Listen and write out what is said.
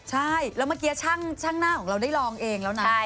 ใช่แล้วเมื่อกี้ช่างหน้าของเราได้ลองเองแล้วนะ